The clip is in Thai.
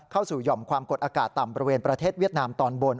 หย่อมความกดอากาศต่ำบริเวณประเทศเวียดนามตอนบน